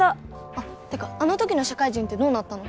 あってかあのときの社会人ってどうなったの？